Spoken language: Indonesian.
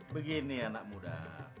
begini anak muda